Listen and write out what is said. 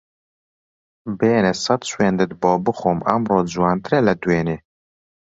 بێنە سەد سوێندت بۆ بخۆم ئەمڕۆ جوانترە لە دوێنێ